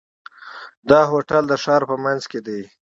دا هوټل د ښار په منځ کې دی.